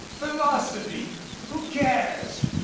Philosophy ! Who cares?